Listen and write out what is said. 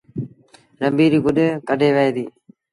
رنبيٚ ريٚ گڏ ڪڍيٚ وهي ديٚ